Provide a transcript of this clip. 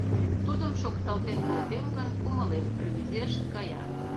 Тудым шокталтен колтем гын, кумылем рвезешт кая.